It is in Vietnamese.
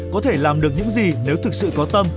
có thể làm được những gì nếu thực sự có tâm